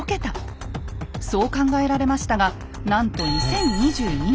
そう考えられましたがなんと２０２２年。